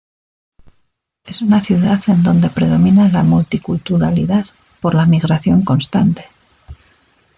Es una ciudad en donde predomina la multiculturalidad por la migración constante.